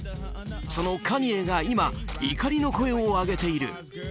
そのカニエが今怒りの声を上げている。